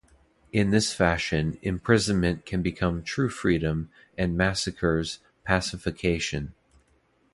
In this fashion, imprisonment can become "true freedom", and massacres "pacification".